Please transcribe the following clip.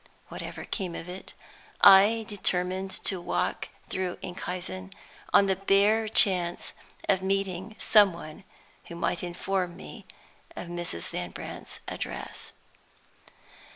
Whatever came of it, I determined to walk through Enkhuizen on the bare chance of meeting some one who might inform me of Mrs. Van Brandt's address.